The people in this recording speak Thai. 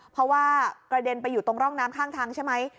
เพราะว่ากระเด็นไปอยู่ตรงร่องน้ำข้างทางใช่ไหม